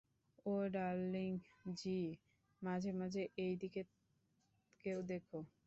ও darling জ্বি, মাঝে মাঝে এই দিকেও দেখো।